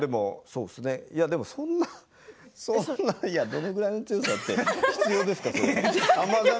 どのぐらいの強さって必要ですか？